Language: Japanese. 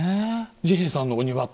治兵衛さんのお庭って。